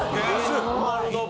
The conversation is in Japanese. なるほど。